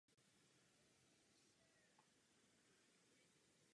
Oba snímky ale nebyly dobře přijaty tehdejší dobovou filmovou kritikou.